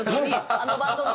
あのバンドの。